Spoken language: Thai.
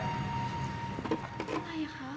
อะไรคะ